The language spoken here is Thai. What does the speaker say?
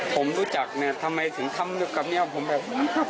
ผมรู้จักทำไมถึงคำนึกกับแม่ผมแบบ